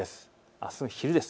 あすの昼です。